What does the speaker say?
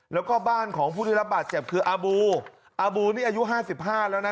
แล้วก็บ้านของผู้ได้รับบาดเจ็บคืออาบูอาบูนี่อายุห้าสิบห้าแล้วนะ